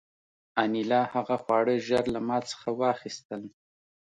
انیلا هغه خواړه ژر له ما څخه واخیستل